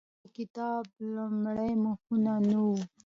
د دغو کیسو د کتاب لومړي مخونه نه وو؟